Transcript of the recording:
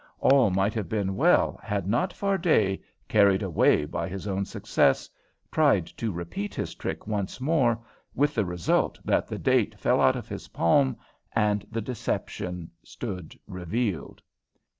All might have been well had not Fardet, carried away by his own success, tried to repeat his trick once more, with the result that the date fell out of his palm and the deception stood revealed.